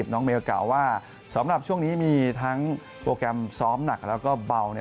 น้องเมลกล่าวว่าสำหรับช่วงนี้มีทั้งโปรแกรมซ้อมหนักแล้วก็เบา